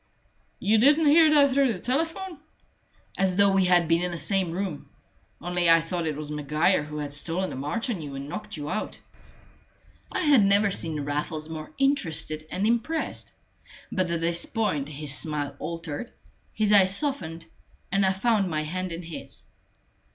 "You didn't hear that through the telephone?" "As though we had been in the same room: only I thought it was Maguire who had stolen a march on you and knocked you out." I had never seen Raffles more interested and impressed; but at this point his smile altered, his eyes softened, and I found my hand in his.